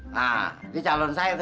nah ini calon saya itu